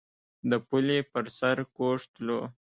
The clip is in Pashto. د پولې پر سر کوږ تلو.